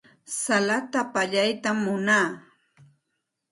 Salata pallaytam munaa.